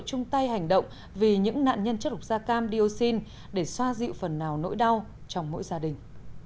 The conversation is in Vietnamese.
chung tay hành động vì những nạn nhân chất độc da cam dioxin để xoa dịu phần nào nỗi đau trong mỗi gia đình